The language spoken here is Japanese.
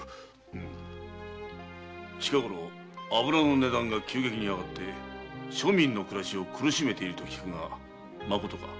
うむ近ごろ油の値段が急激に上がって庶民の暮らしを苦しめていると聞くがまことか？